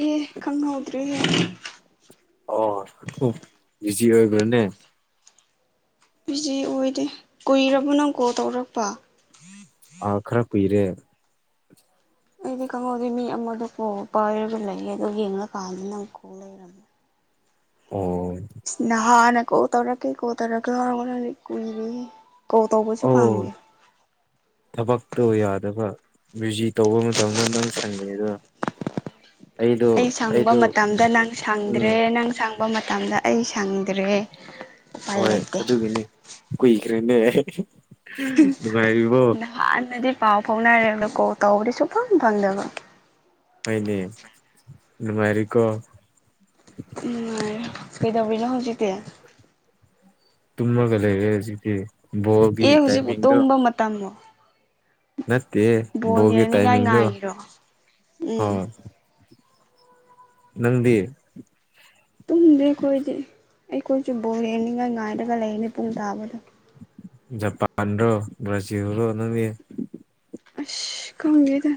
ꯑꯦ ꯈꯪꯍꯧꯗ꯭ꯔꯦꯍꯦ ꯑꯣ ꯎꯝ ꯕꯤꯖꯤ ꯑꯣꯏꯕ꯭ꯔꯅꯦ ꯕꯤꯖꯤ ꯑꯣꯏꯗꯦ ꯀꯨꯏꯔꯕꯣ ꯅꯪ ꯀꯣꯜ ꯇꯧꯔꯛꯄ ꯑꯥ ꯈꯥꯔ ꯀꯨꯏꯔꯦ ꯑꯩꯗꯤ ꯈꯪꯍꯧꯗꯦ ꯃꯤ ꯑꯃꯗꯣ ꯀꯣꯜ ꯄꯥꯏꯔꯒ ꯂꯩꯌꯦ ꯑꯗꯨ ꯌꯦꯡꯂꯀꯥꯟꯗ ꯅꯪ ꯀꯣꯜ ꯂꯩꯔꯝꯃꯦ ꯑꯣ ꯅꯍꯥꯟꯅ ꯀꯣꯜ ꯇꯧꯔꯛꯀꯦ ꯀꯣꯜ ꯇꯧꯔꯒ ꯀꯨꯏꯔꯦ ꯑꯧ ꯊꯕꯛꯇꯣ ꯌꯥꯗꯕ ꯕꯤꯖꯤ ꯇꯧꯕ ꯃꯇꯝꯗ ꯅꯪ ꯁꯪꯉꯤꯔ ꯑꯩ ꯁꯪꯕ ꯃꯇꯝꯗ ꯅꯪ ꯁꯪꯗ꯭ꯔꯦ ꯎꯝ ꯅꯪ ꯁꯪ ꯁꯪꯕ ꯃꯇꯝꯗ ꯑꯩ ꯁꯪꯗ꯭ꯔꯦ ꯎꯄꯥꯏ ꯍꯣꯏ ꯂꯩꯇꯦ ꯑꯗꯨꯒꯤꯅꯦ ꯀꯨꯏꯈ꯭ꯔꯦꯅꯦ ꯅꯨꯡꯉꯥꯏꯔꯤꯕꯣ ꯅꯍꯥꯟꯅꯗꯤ ꯄꯥꯎ ꯐꯥꯎꯅꯔꯦ ꯀꯣꯜ ꯇꯧꯕꯗꯤꯁꯨꯛ ꯐꯪ ꯐꯪꯗꯕ ꯑꯣꯏꯅꯦ ꯅꯨꯡꯉꯥꯏꯔꯤꯀꯣ ꯎꯝ ꯉꯥꯏꯔꯦ ꯀꯩꯗꯧꯔꯤꯅꯣ ꯍꯧꯖꯤꯛꯇꯤ ꯇꯨꯝꯃꯒ ꯂꯩꯔꯦ ꯍꯧꯖꯤꯛꯇꯤ ꯕꯣꯜꯒꯤ ꯑꯦ ꯍꯧꯖꯤꯛꯄꯨ ꯇꯥꯏꯃꯤꯡꯗꯣ ꯇꯨꯝꯕ ꯃꯇꯝꯂꯣ ꯅꯠꯇꯦ ꯕꯣꯜ ꯕꯣꯜꯒꯤ ꯌꯦꯡꯅꯤꯡꯉꯥꯏ ꯇꯥꯏꯃꯤꯡꯗꯣ ꯉꯥꯏꯔꯤꯔꯣ ꯍꯣ ꯎꯝ ꯅꯪꯗꯤ ꯑꯈꯣꯏꯁꯨ ꯕꯣꯜ ꯌꯦꯡꯅꯤꯡꯉꯥꯏ ꯉꯥꯏꯔꯒ ꯂꯩꯔꯤꯅꯤ ꯄꯨꯡ ꯇꯥꯕꯗ ꯖꯄꯥꯥꯟꯔꯣ ꯕ꯭ꯔꯖꯤꯜꯂꯣ ꯅꯪꯗꯤ ꯑꯁ ꯈꯪꯗꯦꯗ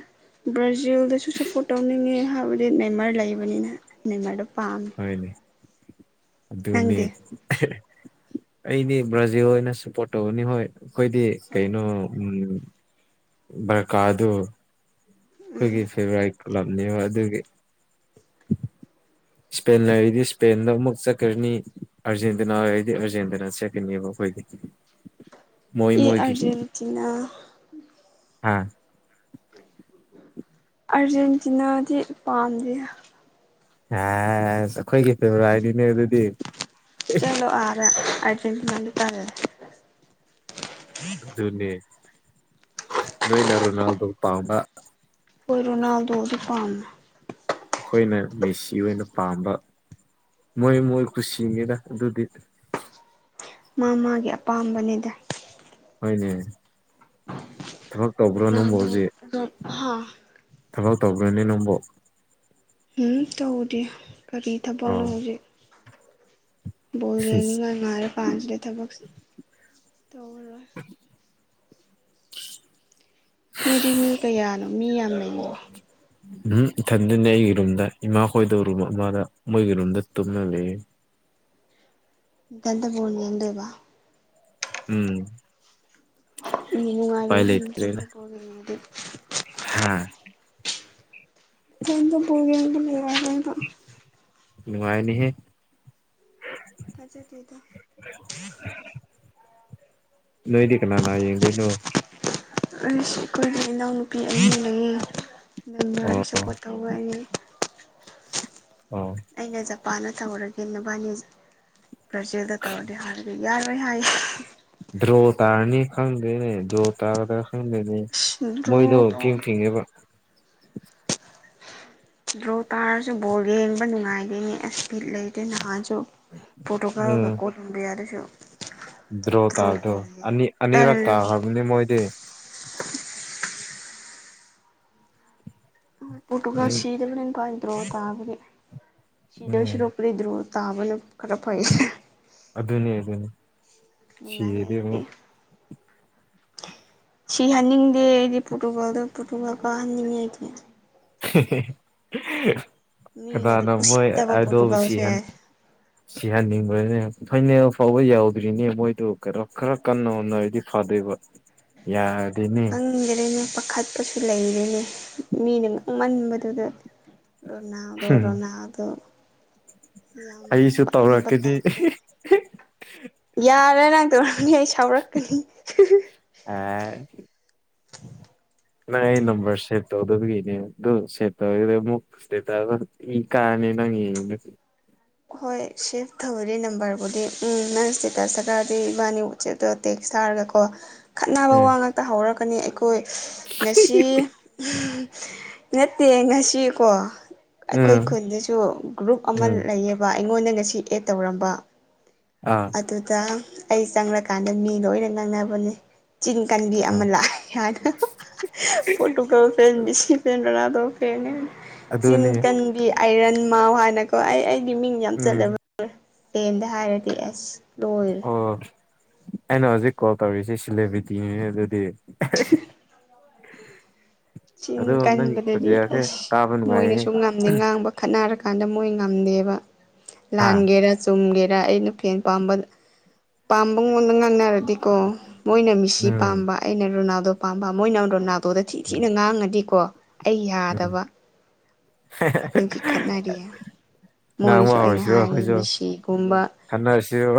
ꯕ꯭ꯔꯥꯖꯤꯜꯗꯁꯨ ꯁꯞꯄꯣꯔꯠ ꯇꯧꯅꯤꯡꯉꯤ ꯍꯥꯏꯕꯗꯤ ꯅꯦꯃꯥꯔ ꯂꯩꯕꯅꯤꯅ ꯅꯦꯃꯥꯔꯗ ꯍꯣꯏꯅꯦ ꯑꯗꯨꯅꯦ ꯅꯪꯗꯤ ꯑꯩꯗꯤ ꯕ꯭ꯔꯥꯖꯤꯜ ꯑꯣꯏꯅ ꯁꯞꯄꯣꯔꯠ ꯇꯧꯒꯅꯤ ꯍꯣꯏ ꯑꯈꯣꯏꯗꯤ ꯍꯣꯏ ꯀꯩꯅꯣ ꯎꯝ ꯕ꯭ꯔꯀꯥꯗꯨ ꯎꯝ ꯑꯈꯣꯏꯒꯤ ꯐꯦꯚ꯭ꯔꯥꯏꯠ ꯂꯝꯅꯦꯕ ꯑꯗꯨꯒꯤ ꯁ꯭ꯄꯦꯟ ꯂꯩꯔꯗꯤ ꯁ꯭ꯄꯦꯟꯗ ꯑꯃꯨꯛ ꯆꯠꯈ꯭ꯔꯅꯤ ꯑꯥꯔꯖꯦꯟꯇꯤꯅ ꯑꯣꯏꯔꯗꯤ ꯑꯥꯔꯖꯦꯟꯇꯤꯅ ꯆꯠꯀꯅꯤꯕ ꯑꯈꯣꯏ [inaudible] ꯑꯦ ꯑ꯭ꯔꯖꯦꯟꯇꯤꯅꯥ ꯍꯥꯥ ꯑ꯭ꯔꯖꯦꯟꯇꯤꯅꯥꯗꯤ ꯄꯥꯝꯗꯤꯗ ꯍꯥꯁ ꯑꯩꯈꯣꯏꯒꯤ ꯐꯦꯕꯣꯔꯥꯏꯠꯅꯤꯅꯦ ꯑꯗꯨꯗꯤ ꯆꯠꯂꯣ ꯑꯥꯗ ꯑ꯭ꯔꯖꯦꯟꯇꯤꯅꯥ ꯀꯥꯔ ꯑꯗꯨꯅꯦ ꯅꯣꯏꯅ ꯔꯣꯅꯥꯜꯗꯣ ꯄꯥꯝꯕ ꯍꯣꯏ ꯔꯣꯅꯥꯜꯗꯣ ꯁꯨ ꯄꯥꯝꯃꯦ ꯑꯩꯈꯣꯏꯅ ꯃꯦꯁꯤ ꯑꯣꯏꯅ ꯄꯥꯝꯕ ꯃꯣꯏ ꯃꯣꯏ ꯀꯨꯁꯤꯅꯤꯗ ꯑꯗꯨꯗꯤ ꯃꯥ ꯃꯥꯒꯤ ꯑꯄꯥꯝꯕꯅꯤꯗ ꯍꯣꯏꯅꯦ ꯊꯕꯛ ꯇꯧꯕ꯭ꯔꯣ ꯅꯪꯕꯨ ꯍꯧꯖꯤꯛ ꯍꯥꯥ ꯊꯕꯛ ꯇꯧꯕ꯭ꯔꯅꯦ ꯅꯪꯕꯨ ꯍꯨꯝ ꯇꯧꯗꯦ ꯀꯔꯤ ꯊꯕꯛꯅꯣ ꯑꯥꯎ ꯍꯧꯖꯤꯛ ꯕꯣꯜ ꯌꯦꯡꯅꯤꯡꯉꯥꯏ ꯉꯥꯏꯔ ꯀꯥꯟꯁꯤꯗ ꯊꯕꯛ ꯇꯧꯔꯔꯣꯏ [inaudible] ꯅꯣꯏꯗꯤ ꯃꯤ ꯀꯌꯥꯅꯣ ꯃꯤ ꯌꯥꯝ ꯂꯩꯕ꯭ꯔꯣ ꯎꯝ ꯏꯊꯟꯗꯅꯦ ꯑꯩꯒꯤ ꯔꯨꯝꯗ ꯏꯃꯥ ꯈꯣꯏꯗꯣ ꯔꯨꯝ ꯑꯃꯗ ꯃꯣꯏꯒꯤ ꯔꯨꯝꯗ ꯇꯨꯝꯃ ꯂꯩꯌꯦ ꯏꯊꯟꯇ ꯕꯣꯜ ꯌꯦꯡꯗꯨꯏꯕ ꯎꯝ ꯏ ꯎꯄꯥꯏ ꯅꯨꯡꯉꯥꯏꯔꯣꯏꯍꯦ ꯏꯊꯟꯇ ꯕꯣꯜ ꯌꯦꯡꯉꯗꯤ ꯍꯥꯥ ꯏꯊꯟꯇ ꯕꯣꯜ ꯌꯦꯡꯕ ꯅꯨꯡꯉꯥꯏꯔꯣꯏ ꯍꯥꯏꯕ ꯅꯨꯡꯉꯥꯏꯅꯤꯍꯦ ꯊꯥꯖꯗꯦꯗ ꯅꯣꯏꯗꯤ ꯀꯅꯥ ꯅꯥ ꯌꯦꯡꯗꯨꯏꯅꯣ ꯑꯩꯁ ꯑꯩꯈꯣꯏꯒꯤ ꯏꯅꯥꯎꯅꯨꯄꯤ ꯑꯅꯤ ꯂꯩꯌꯦ ꯅꯦꯃꯥꯔꯗ ꯑꯣ ꯁꯄꯣꯔꯠ ꯇꯧꯋꯦ ꯑꯩꯅ ꯑꯣ ꯑꯩꯅ ꯖꯄꯥꯟꯗ ꯇꯧꯔꯒꯦ ꯅꯕꯥꯏꯅꯤ ꯕ꯭ꯔꯥꯖꯤꯜꯗ ꯇꯧꯔꯗꯤ ꯍꯥꯏꯕꯗ ꯌꯥꯏ ꯍꯣꯏ ꯍꯥꯏ ꯗ꯭ꯔꯣ ꯇꯥꯔꯅꯤ ꯈꯪꯗꯦꯅꯦ ꯗ꯭ꯔꯣ ꯇꯥꯒꯗꯔ ꯈꯪꯗꯦꯅꯦ ꯑꯁ ꯗ꯭ꯔꯣ ꯃꯣꯏꯗꯣ ꯏꯐꯤꯡ ꯇꯧ ꯐꯤꯡꯉꯦꯕ ꯗ꯭ꯔꯣ ꯇꯥꯔꯁꯨ ꯕꯣꯜ ꯌꯦꯡꯕ ꯅꯨꯡꯉꯥꯏꯗꯦꯅꯦ ꯑꯦꯁ ꯕꯤꯠ ꯂꯩꯇꯦ ꯅꯍꯥꯟꯁꯨ ꯄ꯭ꯔꯣꯇꯨꯒꯜꯒ ꯎꯝ ꯀꯣꯂꯝꯕꯤꯌꯥ ꯗꯨꯁꯨ ꯗ꯭ꯔꯣ ꯇꯥꯕꯗꯣ ꯑꯅꯤ ꯑꯅꯤꯔꯛ ꯇꯜꯂꯦ ꯇꯥꯈ꯭ꯔꯕꯅꯤ ꯃꯣꯏꯗꯤ ꯄ꯭ꯔꯣꯇꯨꯒꯜ ꯁꯤꯗꯕꯅ ꯍꯦꯟꯅ ꯐꯩ ꯗ꯭ꯔꯣ ꯇꯥꯕꯒꯤ ꯁꯤꯗꯨꯏ ꯎꯝ ꯁꯔꯨꯛꯄꯨꯗꯤ ꯗ꯭ꯔꯣ ꯇꯥꯕꯅ ꯈꯔ ꯐꯩ ꯑꯗꯨꯅꯦ ꯑꯗꯨꯅꯦ ꯅꯨꯉꯥꯏ ꯑꯩꯗꯤ ꯁꯤꯍꯟꯅꯤꯡꯗꯦ ꯑꯩꯗꯤ ꯄꯣꯔꯇꯨꯒꯥꯜꯗꯣ ꯄꯣꯔꯇꯨꯒꯥꯜ ꯀꯥꯍꯟꯅꯤꯡꯉꯦ ꯑꯩꯗꯤ ꯍꯦ ꯍꯦ ꯍꯦ [unintelligible] ꯃꯤꯅꯗꯤ ꯀꯅꯥꯅꯣ ꯃꯣꯏ ꯎꯁꯤꯠꯇꯕ ꯑꯗꯨꯕꯨ ꯄꯣꯔꯇꯨꯒꯜꯁꯦ ꯁꯤꯍꯟ ꯁꯤꯍꯟꯅꯤꯡꯕꯅ ꯐꯥꯏꯅꯦꯜ ꯐꯥꯎꯕ ꯌꯥꯎꯗ꯭ꯔꯤꯅꯦ ꯃꯣꯏꯗꯣ ꯀꯩꯅꯣ ꯈꯔ ꯀꯟꯅ ꯍꯣꯠꯅꯔꯗꯤ ꯐꯗꯣꯏꯕ ꯌꯥ ꯈꯪꯗꯔꯦꯅꯦ ꯄꯥꯈꯠꯄꯁꯨ ꯂꯩꯔꯦꯅꯦ ꯃꯤꯅ ꯉꯥꯡꯃꯟꯕꯗꯨꯗ ꯔꯣꯅꯥꯜꯗꯣ ꯍꯨꯝ ꯔꯣꯅꯥꯜꯗꯣ ꯌꯥꯝ ꯑꯩꯁꯨ ꯄꯪꯕ ꯇꯧꯔꯛꯀꯅꯤ ꯇꯥꯏꯞꯇ ꯌꯥꯔꯦ ꯅꯪ ꯇꯧꯔꯝꯅꯤ ꯑꯩ ꯁꯥꯎꯔꯛꯀꯅꯤ ꯑꯥ [inaudible] ꯅꯪ ꯑꯩ ꯅꯝꯕꯔ ꯁꯦꯞ ꯇꯧꯗꯕꯒꯤꯅꯦ ꯑꯗꯨ ꯁꯦꯞ ꯇꯧꯔꯥꯒꯗꯤ ꯑꯃꯨꯛ ꯁ꯭ꯇꯦꯇꯁ ꯅ ꯃꯤ ꯀꯥ [unintelligible] ꯍꯣꯏ ꯁꯦꯞ ꯇꯧꯔꯤ ꯅꯝꯕꯔꯕꯨꯗꯤ ꯎꯝ ꯅꯪ ꯁ꯭ꯇꯦꯇꯁꯇꯒꯗꯤ ꯏꯕꯥꯟꯅꯤ ꯋꯥꯆꯦꯞꯇ ꯇꯦꯛꯁ ꯇꯥ ꯔꯒꯀꯣ ꯈꯠꯅꯕ ꯎꯝ ꯋꯥ ꯉꯥꯛꯇ ꯍꯧꯔꯛꯀꯅꯤ ꯑꯩꯈꯣꯏ ꯉꯁꯤ ꯅꯠꯇꯦ ꯉꯁꯤꯀꯣ ꯑꯩꯈꯣꯏ ꯎꯝ ꯈꯨꯟꯗꯁꯨ ꯒ꯭ꯔꯨꯞ ꯑꯃ ꯎꯝ ꯂꯩꯌꯦꯕ ꯑꯩꯉꯣꯟꯗ ꯉꯁꯤ ꯑꯦꯗ ꯇꯧꯔꯝꯕ ꯑꯥ ꯑꯗꯨꯗ ꯑꯩ ꯆꯪꯪꯂꯀꯥꯟꯗ ꯃꯤ ꯂꯣꯏꯅ ꯉꯥꯡꯅꯕꯅꯦ ꯆꯤꯟ ꯀꯥꯟꯕꯤ ꯑꯥ ꯑꯃ ꯂꯥꯛꯑꯦ ꯍꯥꯏꯅ [unintelligible] ꯄꯣꯠꯇꯨꯒꯜ ꯐꯦꯟ ꯃꯦꯁꯤ ꯐꯦꯟ ꯔꯅꯥꯜ ꯑꯧ ꯐꯦꯅꯦ ꯆꯤꯟ ꯑꯗꯨꯅꯦ ꯀꯟꯕꯤ ꯑꯥꯏꯔꯟ ꯃꯥꯎ ꯍꯥꯏꯅꯀꯣ ꯑꯩ ꯑꯩ ꯑꯩꯗꯤ ꯃꯤꯡ ꯌꯥꯝ ꯎꯝ ꯆꯠꯂꯦꯕ ꯇꯦꯟꯗ ꯍꯥꯏꯔꯗꯤ ꯑꯁ ꯂꯣꯏꯔꯦ ꯑꯣ ꯑꯩꯅ ꯍꯧꯖꯤꯛ ꯀꯣꯜ ꯇꯧꯔꯤꯁꯤ ꯁꯤꯂꯦꯕ꯭ꯔꯤꯇꯤꯅꯤꯅꯦ ꯑꯗꯨꯗꯤ [unintelligible] ꯆꯤꯟ ꯑꯗꯣ ꯅꯪꯒꯤ ꯀꯟꯕꯗꯗꯤ ꯈꯣꯟꯖꯦꯜꯁꯦ ꯑꯩꯁ ꯇꯥꯕ ꯅꯨꯡꯉꯥꯏꯍꯦ ꯃꯣꯏꯅꯁꯨ ꯉꯝꯗꯦ ꯉꯥꯡꯕ ꯈꯠꯅꯔꯒ ꯀꯥꯟꯗ ꯃꯣꯏ ꯉꯝꯗꯦꯕ ꯍꯥ ꯂꯥꯟꯒꯦꯔꯥ ꯆꯨꯝꯒꯦꯔ ꯑꯩꯅ ꯐꯦꯟ ꯄꯥꯝꯕ ꯄꯥꯝꯕꯉꯣꯟꯗ ꯉꯥꯡꯅꯔꯗꯤꯀꯣ ꯃꯣꯏꯅ ꯃꯤꯁꯤ ꯎꯝ ꯄꯥꯝꯕ ꯑꯩꯅ ꯔꯨꯅꯥꯜ ꯗꯣ ꯄꯥꯝꯕ ꯃꯣꯏꯅ ꯔꯣꯅꯥꯜꯗꯣꯗ ꯊꯤ ꯎꯝ ꯊꯤꯅ ꯉꯥꯡꯉꯗꯤꯀꯣ ꯑꯩ ꯎꯝ ꯌꯥꯗꯕ ꯑꯗꯨꯒꯤ ꯈꯠꯅꯔꯤꯌꯥ ꯉꯥꯡꯕ ꯃꯣꯏꯁꯨ ꯑꯩꯅ ꯍꯧꯔꯁꯤꯔꯣ ꯍꯥꯏꯔꯤ ꯑꯩꯈꯣꯏꯁꯨ ꯃꯤꯁꯤꯒꯨꯝꯕ ꯈꯟꯅꯔꯁꯤꯔꯣ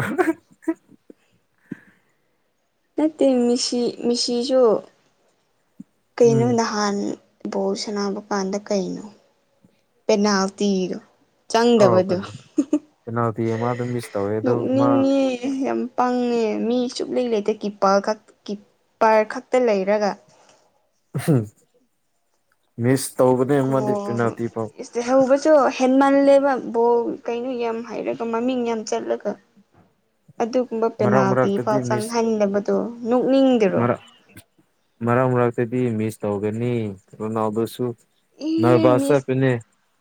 ꯅꯠꯇꯦ ꯃꯤꯁꯤ ꯃꯤꯁꯤꯁꯨ ꯀꯩꯅꯣ ꯎꯝ ꯅꯍꯥꯟ ꯕꯣꯜ ꯁꯥꯅꯕ ꯀꯥꯟꯗ ꯀꯩꯅꯣ ꯄꯦꯅꯥꯜꯇꯤꯗꯣ ꯑꯧ ꯆꯪꯗꯕꯗꯣ ꯀꯩꯅꯣ ꯄꯦꯅꯥꯜꯇꯤ ꯑꯃꯗ ꯃꯤꯁ ꯇꯧꯋꯦ [unintelligible] ꯑꯗꯣ ꯃꯥ ꯅꯣꯛꯅꯤꯡꯉꯦ ꯌꯥꯝ ꯄꯪꯉꯦ ꯃꯤ ꯁꯨꯛꯂꯩ ꯂꯩꯇꯦ ꯀꯤꯞꯄꯜ ꯈꯛ ꯀꯤꯞꯄꯔ ꯈꯛꯇ ꯂꯩꯔꯒ [unintelligible] ꯃꯤꯁ ꯇꯧꯕꯅꯦ ꯃꯣꯢꯗꯤ ꯄꯤꯅꯥꯜꯇꯤ ꯐꯧ ꯑꯗꯨ ꯍꯦꯟꯃꯜꯂꯦꯕ ꯕꯣꯜ ꯀꯩꯅꯣ ꯌꯥꯝ ꯍꯩꯔꯒ ꯃꯃꯤꯡ ꯌꯥꯝ ꯆꯠꯂꯒ ꯑꯗꯨꯒꯨꯝꯕ ꯃꯔꯛ ꯃꯔꯛꯇꯗꯤ ꯄꯦꯅꯥꯜꯇꯤꯐꯥꯎ ꯃꯤꯁ ꯆꯪꯍꯟꯗꯕꯗꯣ ꯅꯣꯛꯅꯤꯡꯗ꯭ꯔꯣ ꯃꯔꯛ ꯃꯔꯛ ꯃꯔꯛꯇꯗꯤ ꯃꯤꯁ ꯇꯧꯒꯅꯤ ꯔꯣꯅꯥꯜꯗꯣꯁꯨ ꯏꯍꯦ ꯅꯔꯚꯁ ꯃꯤꯁ ꯆꯠꯄꯅꯦ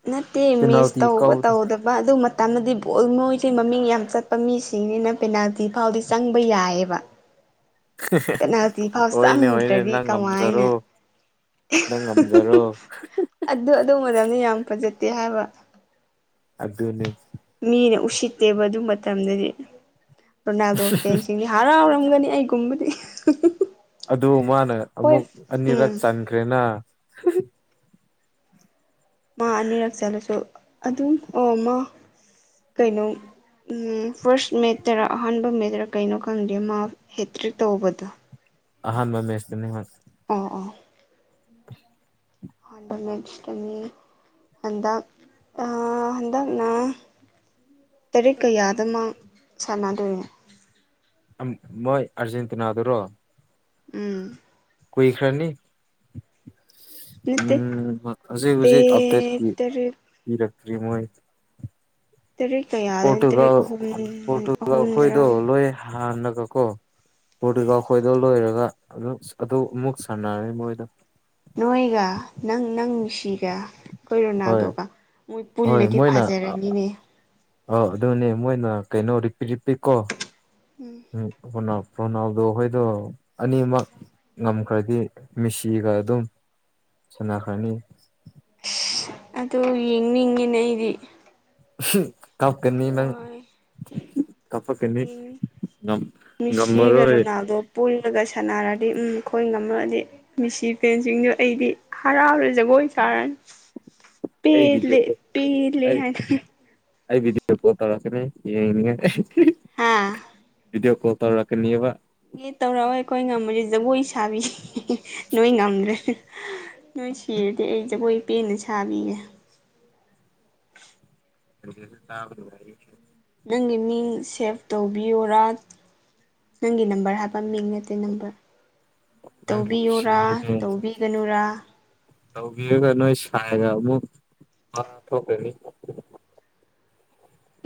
ꯅꯠꯇꯦ ꯃꯤꯁ ꯄꯦꯅꯥꯜꯇꯤ ꯇꯧꯕ ꯀꯥꯎꯕꯗꯣ ꯇꯧꯗꯕ ꯑꯗꯨ ꯃꯇꯝꯗꯗꯤ ꯄꯣꯜ ꯅꯣꯏꯁꯦ ꯃꯃꯤꯡ ꯌꯥꯝ ꯆꯠꯄ ꯃꯤꯁꯤꯡꯅꯤꯅ ꯄꯦꯅꯥꯜꯇꯤ ꯐꯥꯎꯗꯤ ꯆꯪꯕ ꯌꯥꯏꯌꯦꯕ ꯄꯦꯅꯥꯜꯇꯤ ꯐꯥꯎ ꯍꯣꯏꯅꯦ ꯍꯣꯏꯅꯦ ꯆꯪꯗ꯭ꯔꯗꯤ ꯅꯪ ꯀꯃꯥꯏꯅ ꯉꯝꯖꯔꯣ ꯅꯪ ꯉꯝꯖꯔꯣ [unintelligible] ꯑꯗꯨ ꯑꯗꯨ ꯃꯇꯝꯗꯤ ꯌꯥꯝ ꯐꯖꯗꯦ ꯍꯥꯏꯕ ꯑꯗꯨꯅꯦ ꯃꯤꯅ ꯎꯁꯤꯠꯇꯦꯕ ꯑꯗꯨ ꯃꯇꯝꯗꯗꯤ ꯔꯣꯅꯥꯜꯗꯣ ꯐꯦꯟꯁꯤꯡꯗꯤ ꯍꯔꯥꯎ ꯈꯪꯒꯅꯤ ꯑꯩꯒꯨꯝꯕꯗꯤ [unintelligible] ꯑꯗꯨ ꯃꯥꯅ ꯍꯣꯏ ꯑꯃꯨꯛ ꯑꯅꯤꯔꯛ ꯎꯝ ꯆꯟꯈ꯭ꯔꯦꯅ ꯃꯥ ꯑꯅꯤꯔꯛ ꯆꯜꯂꯁꯨ ꯑꯗꯨꯝ ꯑꯣ ꯃꯥ ꯀꯩꯅꯣ ꯎꯝ ꯐꯥꯔꯁ ꯃꯦꯠꯇꯔꯥ ꯑꯍꯥꯟꯕ ꯃꯦꯠꯇꯔꯥ ꯀꯩꯅꯣ ꯈꯪꯗꯦ ꯃꯥ ꯍꯦꯠꯇ꯭ꯔꯤꯛ ꯇꯧꯕꯗꯣ ꯑꯍꯥꯟꯕ ꯃꯦꯁꯇꯅꯦ ꯃꯥ ꯑꯣ ꯑꯣ ꯑꯍꯥꯟꯕ ꯃꯦꯠꯁꯇꯅꯦ ꯍꯟꯗꯛ ꯑꯥ ꯍꯟꯗꯛ ꯅ ꯇꯔꯤꯛ ꯀꯌꯥꯗꯅꯣ ꯁꯥꯟꯅꯗꯣꯏ ꯑꯪ ꯅꯣꯏ ꯑꯥꯔꯖꯦꯟꯇꯤꯅꯗꯨꯔꯣ ꯎꯝ ꯀꯨꯏꯈ꯭ꯔꯅꯤ ꯅꯠꯇꯦ ꯎꯝ ꯍꯧꯖꯤꯛ ꯗꯦꯠ ꯍꯧꯖꯤꯛ ꯑꯞꯗꯦꯠꯇꯤ ꯇꯔꯦꯠ ꯄꯤꯔꯛꯇ꯭ꯔꯤ ꯃꯣꯏ ꯇꯔꯦꯠ ꯀꯌꯥꯗꯅꯣ ꯇꯔꯦꯠ ꯄꯣꯔꯇꯨꯒꯜ ꯑꯍꯨꯝ ꯄꯣꯔꯇꯨꯒꯜ ꯑꯍꯨꯝꯗꯔꯥ ꯈꯣꯏꯗꯣ ꯂꯣꯏ ꯍꯥꯟꯅꯕꯀꯣ ꯎꯝ ꯄꯣꯔꯇꯨꯒꯜ ꯈꯣꯏꯗꯣ ꯂꯣꯏꯔꯒ ꯑꯗꯨ ꯑꯗꯨ ꯃꯨꯛ ꯁꯥꯟꯅꯔꯥ ꯃꯣꯏꯗꯣ ꯗꯤꯒ ꯑꯩꯈꯣꯏ ꯍꯣꯏ ꯔꯣꯅꯥꯜꯗꯣꯒ ꯃꯣꯏ ꯄꯨꯜꯂꯗꯤ ꯐꯥꯖꯔꯅꯤꯅꯦ ꯑꯣ ꯑꯗꯨꯅꯦ ꯃꯣꯏꯅ ꯀꯩꯅꯣ ꯔꯤꯄꯤ ꯔꯤꯄꯤꯀꯣ ꯎꯝ ꯀꯣꯟꯅ ꯔꯣꯅꯥꯜꯗꯣꯍꯣꯏꯗꯣ ꯑꯅꯤꯃꯛ ꯉꯝꯈ꯭ꯔꯗꯤ ꯃꯤꯁꯤꯒ ꯑꯗꯨꯝ ꯁꯟꯅꯈ꯭ꯔꯥꯅꯤ ꯑꯗꯨ ꯌꯦꯡꯅꯤꯡꯉꯤꯅꯦ ꯑꯩꯗꯤ ꯀꯞꯀꯅꯤ ꯅꯪ ꯋꯥꯏ ꯀꯞꯄꯛꯀꯅꯤ ꯌꯦꯡꯅꯤꯡ ꯃꯤꯁꯤꯒ ꯉꯝꯃꯔꯣꯏ ꯔꯣꯅꯜꯗꯣ ꯄꯨꯜꯂꯒ ꯁꯟꯅꯔꯥ ꯗꯤ ꯎꯝ ꯑꯩꯈꯣꯏ ꯉꯝꯃꯛꯑꯗꯤ ꯃꯤꯁꯤ ꯐꯦꯟꯁꯤꯡꯗꯣ ꯑꯩꯗꯤ ꯍꯔꯥꯎꯔꯅ ꯖꯒꯣꯏ ꯁꯥꯔꯅꯤ [inaudible] ꯄꯦꯜꯂꯦ ꯚꯤꯗꯤꯑꯣ ꯄꯦꯜꯂꯦ ꯑꯩ ꯍꯥꯏꯅ ꯑꯩ ꯚꯤꯗꯤꯌꯣ ꯀꯣꯜ ꯇꯧꯔꯛꯀꯅꯤ ꯍꯥ ꯌꯦꯡꯅꯤꯡꯉꯥꯏ [unintelligible] ꯀꯣꯜ ꯇꯧꯔꯛꯀꯅꯤꯕ ꯑꯦ ꯇꯧꯔꯛꯑꯣꯏ ꯑꯩꯈꯣꯏ ꯉꯝꯃꯗꯤ ꯖꯒꯣꯏ ꯁꯥꯕꯤ ꯅꯣꯏ ꯉꯝꯗ꯭ꯔꯦ ꯅꯣꯏ ꯁꯤꯔꯗꯤ ꯑꯩ ꯖꯒꯣꯏ ꯄꯦꯟꯅ ꯁꯥꯕꯤꯒꯦ [unintelligible] ꯅꯪꯒꯤ ꯃꯤꯡ ꯁꯦꯞ ꯇꯧꯕꯤꯌꯨꯔꯥ ꯅꯪꯒꯤ ꯅꯝꯕꯔ ꯍꯥꯏꯕ ꯃꯤ ꯅꯠꯇꯦ ꯅꯝꯕꯔ ꯅꯪꯒꯤ ꯇꯧꯕꯤꯌꯨꯔ ꯀꯨꯁꯤꯅꯤꯅꯦ ꯇꯧꯕꯤꯒꯅꯨꯔ ꯇꯧꯕꯤꯔꯒ ꯅꯣꯏ ꯁꯥꯏꯒ ꯑꯃꯨꯛ ꯋꯥ ꯊꯣꯛꯂꯅꯤ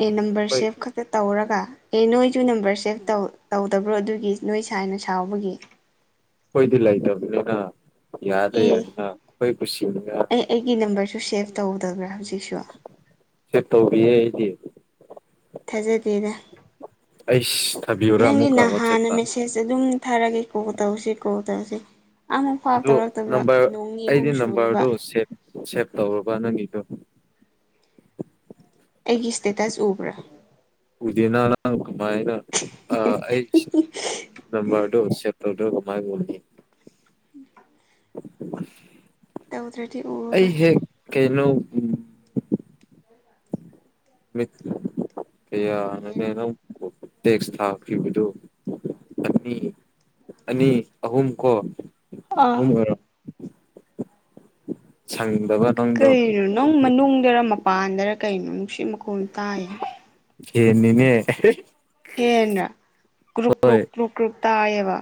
ꯑꯦ ꯅꯝꯕꯔ ꯁꯦꯞ ꯈꯛꯇ ꯇꯧꯔꯒ ꯑꯦ ꯅꯣꯏꯁꯨ ꯅꯝꯕꯔ ꯁꯦꯞ ꯇꯧ ꯇꯧꯗꯕ꯭ꯔꯣ ꯑꯗꯨꯒꯤ ꯅꯣꯏ ꯁꯥꯏꯅ ꯁꯥꯎꯕꯒꯤ ꯑꯩꯈꯣꯏꯗꯤ ꯂꯩꯇꯕꯅꯤꯅ ꯏꯌꯥꯗ ꯏ ꯌꯥꯏꯗ ꯑꯩꯈꯣꯏ ꯀꯨꯁꯤꯅꯤꯅ ꯑꯩ ꯑꯩꯒꯤ ꯅꯝꯕꯔꯁꯨ ꯁꯦꯞ ꯇꯧꯗꯕ꯭ꯔꯥ ꯍꯧꯖꯤꯛꯁꯨ ꯁꯦꯞ ꯇꯧꯕꯤꯌꯦ ꯑꯩꯗꯤ ꯊꯥꯖꯗꯦꯗ ꯑꯩꯁ ꯊꯥꯕꯤꯌꯨꯔꯥ ꯅꯪꯗꯤ ꯑꯃꯨꯛꯀ ꯅꯍꯥꯟꯅ ꯋꯥꯆꯦꯞꯇ ꯃꯦꯁꯦꯖ ꯑꯗꯨꯝ ꯊꯥꯔꯒꯦ ꯀꯣꯜ ꯇꯧꯁꯤ ꯀꯣꯜ ꯇꯧꯁꯤ ꯑꯃꯨꯛꯐꯥꯎ ꯑꯗꯨ ꯇꯧꯔꯛꯇꯕ ꯅꯝꯕꯔ ꯅꯣꯡꯅꯤ ꯑꯩꯗꯤ ꯑꯍꯨꯝ ꯁꯨꯔꯦꯕ ꯅꯝꯕꯔꯗꯨ ꯁꯦꯞ ꯁꯦꯞ ꯇꯧꯔꯕ ꯅꯪꯒꯤꯗꯣ ꯑꯩꯒꯤ ꯏꯁꯇꯦꯇꯁ ꯎꯕ꯭ꯔꯥ ꯑꯥ ꯀꯃꯥꯏꯅ ꯑꯥ ꯑꯩ ꯁꯤ ꯅꯝꯕꯔ ꯗꯣ ꯁꯦꯞ ꯇꯧꯗ꯭ꯔ ꯀꯃꯥꯏꯅ ꯎꯅꯤ ꯇꯧꯗ꯭ꯔꯗꯤ ꯎꯔꯔꯣꯏ ꯑꯩꯖꯦ ꯀꯩꯅꯣ ꯎꯝ ꯃꯤꯠ ꯀꯌꯥꯔꯅꯦ [unintelligible] ꯇꯦꯛꯁ ꯊꯥꯈꯤꯕꯗꯨ ꯑꯅꯤ ꯑꯅꯤ ꯑꯍꯨꯝ ꯀꯣ ꯑꯥ ꯑꯍꯨꯝ ꯑꯣꯏꯔ ꯁꯪ ꯀꯔꯤꯅꯣ ꯅꯪ ꯃꯅꯨꯡꯗ꯭ꯔ ꯃꯄꯥꯟꯗ꯭ꯔ ꯀꯩꯅꯣ ꯅꯨꯡꯁꯤꯠ ꯃꯈꯣꯟ ꯇꯥꯏꯌꯦ ꯐꯦꯟꯅꯤꯅꯦ ꯑꯍꯦ ꯐꯦꯟꯔ ꯀ꯭ꯔꯨꯛ ꯀ꯭ꯔꯨꯛ ꯀ꯭ꯔꯨꯛ ꯀ꯭ꯔꯨꯛ ꯇꯥꯏꯌꯦꯕ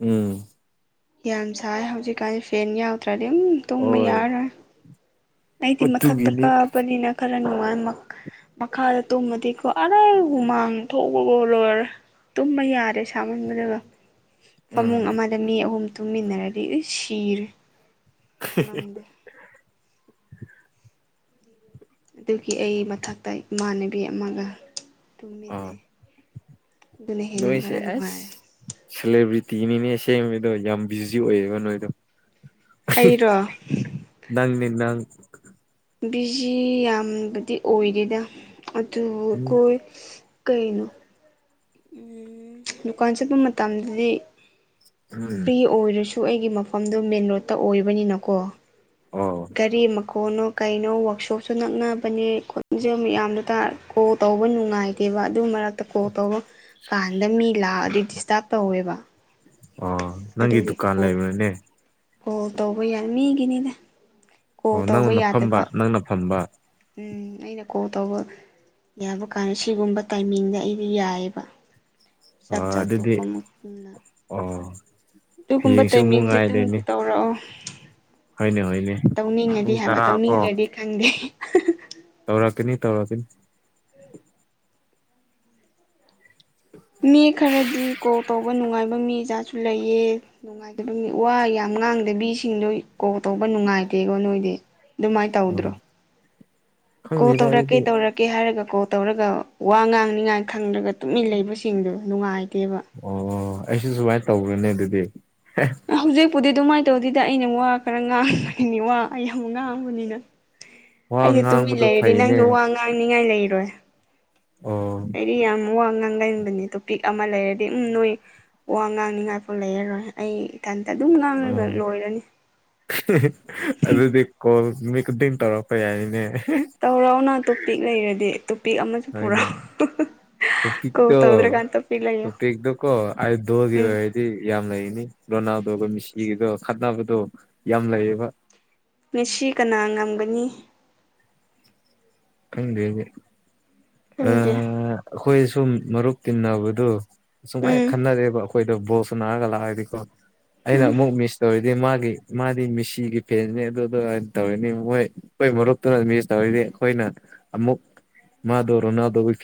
ꯎꯝ ꯌꯥꯝ ꯁꯥꯏ ꯍꯧꯖꯤꯛꯀꯥꯟꯗꯤ ꯐꯦꯟ ꯌꯥꯎꯗ꯭ꯔꯗꯤ ꯎꯝ ꯇꯨꯝꯕ ꯍꯣꯏ ꯌꯥꯔꯔꯣꯏ ꯑꯩꯗꯤ ꯃꯊꯛꯇ ꯑꯗꯨꯒꯤꯅꯤ ꯀꯥꯕꯅꯤꯅ ꯈ ꯈꯔ ꯅꯨꯡꯉꯥꯏ ꯃꯛ ꯃꯈꯥꯗ ꯇꯨꯝꯃꯗꯤꯀꯣ ꯑꯔꯦ ꯍꯨꯃꯥꯡ ꯊꯣꯛꯄꯗ ꯂꯣꯏꯔꯦ ꯇꯨꯝꯕ ꯌꯥꯗꯦ ꯁꯥꯃꯟꯕꯗꯨꯒ ꯐꯃꯨꯡ ꯎꯝ ꯑꯃꯗ ꯃꯤ ꯑꯍꯨꯝ ꯇꯨꯝꯃꯤꯟꯅꯔꯗꯤ ꯏꯁ ꯁꯤꯔꯦ ꯉꯝꯗꯦ [inaudible] ꯑꯗꯨꯒꯤ ꯑꯩ ꯃꯊꯛꯇ ꯏꯃꯥꯟꯅꯕꯤ ꯑꯃꯒ ꯑꯥ ꯇꯨꯝꯃꯤꯟꯅꯩ ꯑꯗꯨꯅ ꯍꯦꯟꯅ ꯅꯣꯏꯁꯦ ꯈꯔ ꯑꯦꯁ ꯅꯨꯡꯉꯥꯏꯔꯦ ꯁꯦꯂꯦꯕ꯭ꯔꯤꯇꯤꯅꯤꯅꯦ ꯁꯦꯡꯕꯗꯣ ꯌꯥꯝ ꯕꯤꯖꯤ ꯑꯣꯏꯌꯦꯕ ꯅꯣꯏꯗꯣ ꯑꯩꯔꯣ ꯅꯪꯅꯦ ꯅꯪ ꯕꯤꯖꯤ ꯌꯥꯝꯕꯨꯗꯤ ꯑꯣꯏꯗꯦꯗ ꯑꯗꯨ ꯎꯝ ꯀꯣꯏ ꯀꯩꯅꯣ ꯎꯝ ꯗꯨꯀꯥꯟ ꯆꯠꯄ ꯃꯇꯝꯗꯗꯤ ꯎꯝ ꯐ꯭ꯔꯤ ꯑꯣꯏꯔꯁꯨ ꯑꯩꯒꯤ ꯃꯐꯝꯗꯣ ꯃꯦꯟ ꯔꯣꯗꯠꯇ ꯑꯣꯏꯕꯅꯤꯅꯀꯣ ꯑꯣ ꯒꯥꯔꯤ ꯃꯛ ꯀꯣꯟꯅꯣ ꯀꯩꯅꯣ ꯋ꯭ꯔꯥꯛꯁꯣꯞꯁꯨ ꯅꯛꯅꯕꯅꯦ ꯈꯣꯟꯖꯦꯜ ꯃꯌꯥꯝꯗꯣ ꯇꯥꯔꯒ ꯀꯣꯜ ꯇꯧꯕ ꯅꯨꯡꯉꯥꯏꯇꯦꯕ ꯑꯗꯨ ꯃꯔꯛꯇ ꯀꯣꯜ ꯇꯧꯕ ꯀꯥꯟꯗ ꯃꯤ ꯂꯥꯛꯑꯗꯤ ꯗꯤꯁꯇ꯭ꯕ ꯇꯧꯋꯦꯕ ꯑꯥ ꯅꯪꯒꯤ ꯑꯗꯨꯒꯤ ꯗꯨꯀꯥꯟ ꯀꯣꯜ ꯂꯩꯕ꯭ꯔꯅꯦ ꯀꯣꯜ ꯇꯧꯕ ꯌꯥꯏ ꯃꯤꯒꯤꯅꯤꯗ ꯀꯣꯜ ꯑꯣ ꯇꯧꯕ ꯅꯪꯅ ꯐꯝꯕ ꯌꯥꯗꯕ ꯅꯪꯅ ꯐꯝꯕ ꯎꯝ ꯑꯩꯅ ꯀꯣꯜ ꯇꯧꯕ ꯌꯥꯕ ꯀꯥꯟꯗ ꯁꯤꯒꯨꯝꯕ ꯇꯥꯏꯃꯤꯡꯗ ꯑꯩꯗꯤ ꯌꯥꯏꯌꯦꯕ ꯆꯥꯛ ꯑꯣ ꯆꯥ ꯑꯗꯨꯗꯤ ꯇꯣꯛꯄ ꯃꯇꯨꯡꯗ ꯑꯣ ꯑꯗꯨꯒꯨꯝꯕ ꯍꯌꯦꯡꯁꯨ ꯑꯃꯨꯛ ꯇꯥꯏꯃꯤꯡꯗ ꯑꯗꯨꯝ ꯉꯥꯏꯗꯣꯏꯅꯤ ꯇꯧꯔꯛꯑꯣ ꯍꯣꯏꯅꯦ ꯍꯣꯏꯅꯦ ꯇꯧꯅꯤꯡꯉꯗꯤ ꯄꯨꯡ ꯍꯥꯏꯕ ꯇꯔꯥ ꯀꯣ ꯇꯧꯅꯤꯡꯗ꯭ꯔꯗꯤ ꯈꯪꯗꯦ ꯇꯧꯔꯛꯀꯅꯤ ꯇꯧꯔꯛꯀꯅꯤ ꯃꯤ ꯈꯔꯗꯤ ꯀꯣꯜ ꯇꯧꯕ ꯅꯨꯡꯉꯥꯏꯕ ꯃꯤꯖꯥꯠꯁꯨ ꯂꯩꯌꯦ ꯅꯨꯡꯉꯥꯏꯇꯕ ꯃꯤ ꯋꯥ ꯌꯥꯝ ꯉꯥꯡꯗꯕꯤꯁꯤꯡꯗꯣ ꯀꯣꯜ ꯇꯧꯕ ꯅꯨꯡꯉꯥꯏꯇꯦꯀꯣ ꯅꯣꯏꯗꯤ ꯑꯗꯨꯃꯥꯏꯅ ꯎꯝ ꯇꯧꯗ꯭ꯔꯣ ꯀꯣꯜ ꯈꯪꯗꯦꯗ ꯇꯧꯔꯛꯀꯦ ꯑꯩꯗꯤ ꯇꯧꯔꯛꯀꯦ ꯍꯥꯏꯔꯒ ꯀꯣꯜ ꯇꯧꯔꯒ ꯋꯥ ꯉꯥꯡꯅꯤꯡꯉꯥꯏ ꯈꯪꯗ꯭ꯔꯒ ꯇꯨꯃꯤꯟ ꯂꯩꯕꯁꯤꯡꯗꯨ ꯅꯨꯡꯉꯥꯏ ꯑꯣ ꯑꯩꯁꯨ ꯁꯨꯃꯥꯏ ꯇꯧꯕ꯭ꯔꯅꯦ ꯑꯗꯨꯗꯤ ꯍꯧꯖꯤꯛꯄꯨꯗꯤ ꯑꯗꯨꯃꯥꯏꯅ ꯇꯧꯗꯦꯗ ꯑꯩꯅ ꯋꯥ ꯈꯔ ꯉꯥꯡꯕꯅꯤ ꯋꯥ ꯌꯥꯝ ꯉꯥꯡꯕꯅꯤꯅ ꯋꯥ ꯑꯩꯁꯦ ꯇꯨꯃꯤꯟ ꯉꯥꯡꯕꯗꯣ ꯂꯩꯔꯗꯤ ꯐꯩꯅꯦ ꯅꯪꯁꯨ ꯋꯥ ꯑꯣ ꯉꯥꯡꯅꯤꯡꯉꯥꯏ ꯂꯩꯔꯣꯏ ꯑꯩꯗꯤ ꯌꯥꯝ ꯋꯥ ꯉꯥꯡ ꯅꯪꯗꯅꯤ ꯇꯣꯄꯤꯛ ꯑꯃ ꯂꯩꯔꯗꯤ ꯎꯝ ꯅꯣꯏ ꯋꯥ ꯉꯥꯡꯅꯤꯡꯉꯥꯏꯐꯥꯎ ꯂꯩꯔꯔꯣꯏ ꯑꯩ ꯏꯊꯟ ꯑꯗꯨꯝ ꯉꯥꯡꯂꯒ ꯎꯝ ꯂꯣꯏꯔꯅꯤ ꯑꯗꯨꯗꯤ ꯀꯣꯜ ꯅꯨꯃꯤꯠ ꯈꯨꯗꯤꯡ ꯇꯧꯔꯛꯄ ꯌꯥꯏꯅꯦ ꯇꯧꯔꯣ ꯅꯪ ꯇꯣꯄꯤꯛ ꯂꯩꯔꯗꯤ ꯇꯣꯄꯤꯛ ꯑꯃꯁꯨ ꯍꯣꯏꯅꯦ ꯄꯨꯔꯛꯑꯣ ꯀꯣꯜ ꯇꯧꯗ꯭ꯔꯀꯥꯟꯗ ꯇꯣꯄꯤꯛ ꯂꯩꯌꯣ ꯇꯣꯄꯤꯛꯇꯣ ꯀꯣ ꯑꯥꯏꯗꯣꯜꯒꯤ ꯎꯝ ꯑꯣꯏꯔꯗꯤ ꯌꯥꯝ ꯂꯩꯅꯤ ꯔꯣꯅꯥꯜꯗꯣꯒ ꯃꯦꯁꯤꯒꯗꯣ ꯈꯠꯅꯕ ꯗꯣ ꯎꯝ ꯃꯦꯁꯤ ꯀꯅꯥ ꯉꯝꯒꯅꯤ ꯈꯪꯗꯦꯅꯦ ꯑꯥ ꯈꯪꯗꯦ ꯑꯩꯈꯣꯏ ꯁꯨꯝ ꯃꯔꯨꯞ ꯇꯤꯟꯅꯕꯗꯨ ꯑꯁꯨꯃꯥꯏꯅ ꯎꯝ ꯈꯟꯅꯔꯦꯕ ꯑꯩꯈꯣꯏ ꯑꯩꯈꯣꯏꯗꯣ ꯕꯣꯜ ꯁꯥꯟꯔꯒ ꯂꯥꯛꯑꯗꯤꯀꯣ ꯑꯩꯅ ꯎꯝ ꯑꯃꯨꯛ ꯃꯤꯁ ꯇꯧꯋꯦ ꯗꯤ ꯃꯥꯒꯤ ꯃꯥꯗꯤ ꯃꯦꯁꯤꯒꯤ ꯐꯦꯟꯅꯤ ꯑꯗꯨꯗꯨꯃꯥꯏ ꯇꯧꯔꯅꯤ ꯃꯣꯏ ꯑꯩꯈꯣꯏ ꯃꯔꯨꯞꯇꯨꯅ ꯃꯤꯁ ꯇꯧꯔꯗꯤ ꯑꯩꯈꯣꯏꯅ ꯑꯃꯨꯛ ꯃꯥꯗꯣ ꯔꯣꯅꯥꯜꯗꯣꯒꯤ